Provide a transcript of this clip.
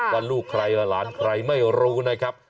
ว่าลูกใครล่ะหลานใครไม่รู้นะครับ